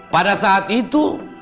pada saat itu